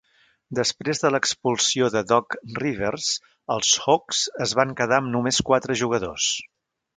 Després de l'expulsió de Doc Rivers, els Hawks es van quedar amb només quatre jugadors.